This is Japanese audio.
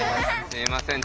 すいません